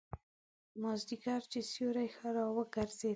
مازیګر چې سیوري ښه را وګرځېدل.